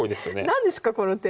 何ですかこの手。